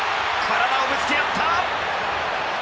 体をぶつけ合った！